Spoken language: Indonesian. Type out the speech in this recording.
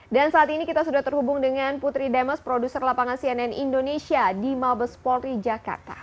dan saat ini kita sudah terhubung dengan putri demas produser lapangan cnn indonesia di mabes polri jakarta